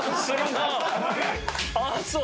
ああそう。